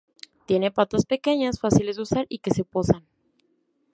Tiene patas pequeñas fáciles de usar y que se posan.